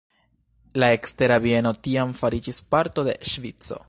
La Ekstera Bieno tiam fariĝis parto de Ŝvico.